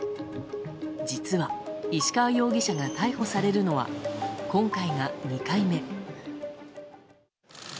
実は石川容疑者が逮捕されるのは今回が２回目。